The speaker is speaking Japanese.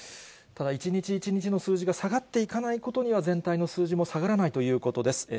ただ、一日一日の数字が下がっていかないことには、全体の数字も下がらないということです。